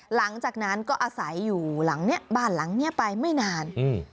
หลังจากนั้นก็อาศัยอยู่หลังเนี้ยบ้านหลังเนี้ยไปไม่นานอืม